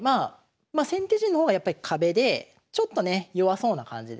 まあ先手陣の方がやっぱり壁でちょっとね弱そうな感じですよね。